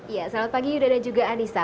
ya selamat pagi yuda dan juga anissa